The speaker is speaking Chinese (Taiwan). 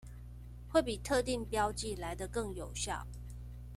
會比特定標記來得更有效